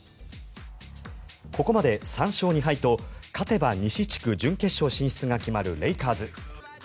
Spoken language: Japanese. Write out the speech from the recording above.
ここまで３勝２敗と勝てば西地区準決勝進出が決まるレイカーズ。